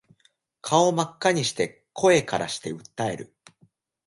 顔真っ赤にして声からして訴える